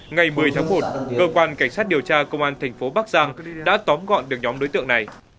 ngày một mươi tháng một cơ quan cảnh sát điều tra công an thành phố bắc giang đã tóm gọn được nhóm đối tượng này